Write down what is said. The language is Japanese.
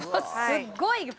すっごい